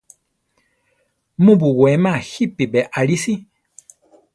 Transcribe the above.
Mu buwéma jípi beʼalí si.